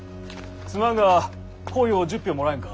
すまんがこいを１０俵もらえんか。